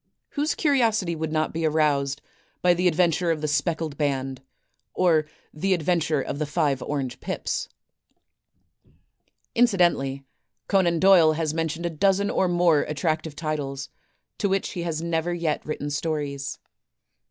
Whose curiosity would not be aroused by "The Adventure of the Speckled Band," or "The Adventure of the Five Orange Pips"? Incidentally, Conan Doyle has mentioned a dozen or more attractive titles, to which he has never yet written stories.